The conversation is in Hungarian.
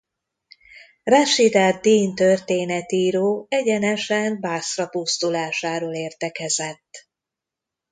Rásid ad-Dín történetíró egyenesen Baszra pusztulásáról értekezett.